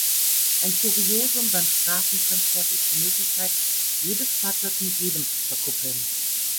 Ein Kuriosum beim Straßentransport ist die Möglichkeit, jedes Fahrzeug mit jedem zu verkuppeln.